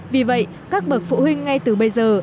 vì vậy các bậc phụ huynh ngay từ bây giờ